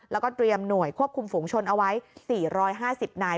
แล้วก็เตรียมหน่วยควบคุมฝูงชนเอาไว้๔๕๐นาย